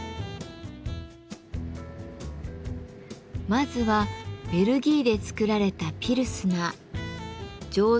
まずはベルギーでつくられたピルスナー。